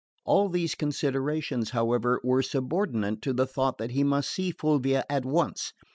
All these considerations, however, were subordinate to the thought that he must see Fulvia at once.